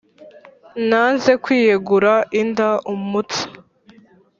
Nanze kwiyegura Indaùmutsa